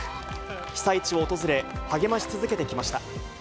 被災地を訪れ、励まし続けてきました。